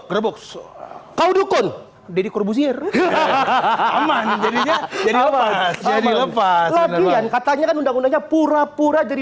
gerbok kau dukun deddy corbuzier hahaha jadi lepas katanya undang undangnya pura pura jadi